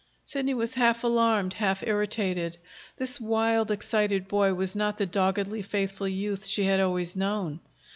Sidney was half alarmed, half irritated. This wild, excited boy was not the doggedly faithful youth she had always known.